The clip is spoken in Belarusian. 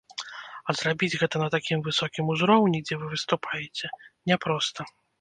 А зрабіць гэта на такім высокім узроўні, дзе вы выступаеце, няпроста.